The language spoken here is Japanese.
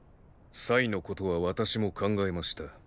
のことは私も考えました。